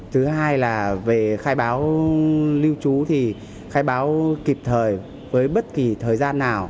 thứ hai là về khai báo lưu trú thì khai báo kịp thời với bất kỳ thời gian nào